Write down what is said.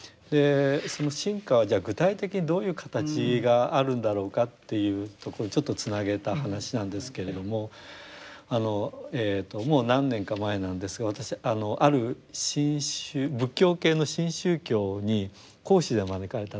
その深化はじゃあ具体的にどういう形があるんだろうかっていうところにちょっとつなげた話なんですけれどもえともう何年か前なんですが私ある仏教系の新宗教に講師で招かれた。